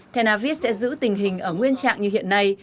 the navis sẽ giữ tình hình ở nguyên trạng như hiện nay